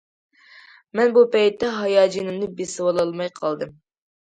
مەن بۇ پەيتتە ھاياجىنىمنى بېسىۋالالماي قالدىم.